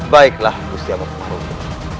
baiklah gusti amukmarugul